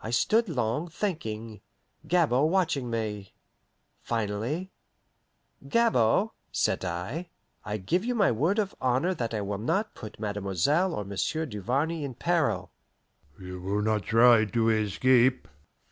I stood long, thinking, Gabord watching me. Finally, "Gabord," said I, "I give you my word of honour that I will not put Mademoiselle or Monsieur Duvarney in peril." "You will not try to escape?"